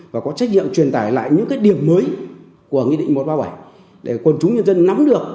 và có trách nhiệm truyền tải lại những cái điểm mới của nghị định một trăm ba mươi bảy để quần chúng nhân dân nắm được